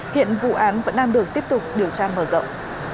hiện vụ án vẫn đang được tiếp tục điều tra mở rộng